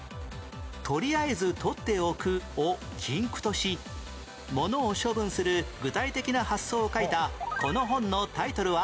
「とりあえずとっておく」を禁句とし物を処分する具体的な発想を書いたこの本のタイトルは？